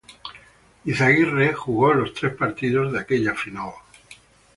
Izaguirre jugó los tres partidos de aquella final.